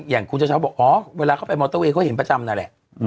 อย่างคุณเช้าบอกอ๋อเวลาเขาไปมอเตอร์เวย์เขาเห็นประจำนั่นแหละ